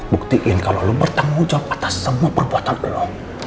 buktiin kalau lo bertanggung jawab atas semua perbuatan allah